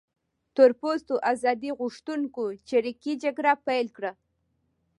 تور پوستو ازادي غوښتونکو چریکي جګړه پیل کړه.